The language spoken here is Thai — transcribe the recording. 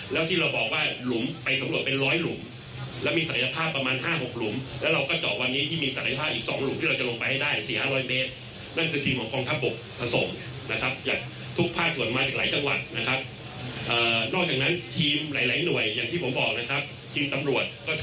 แล้วที่เราบอกว่าหลุมไปสำรวจเป็นร้อยหลุมแล้วมีศักยภาพประมาณ๕๖หลุมแล้วเราก็เจาะวันนี้ที่มีศักยภาพอีก๒หลุมที่เราจะลงไปให้ได้๔๕๐๐เมตรนั่นคือทีมของกองทัพบกผสมนะครับจากทุกภาคส่วนมาอีกหลายจังหวัดนะครับนอกจากนั้นทีมหลายหลายหน่วยอย่างที่ผมบอกนะครับทีมตำรวจก็จะ